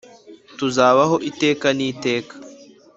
tuzabaho iteka niteka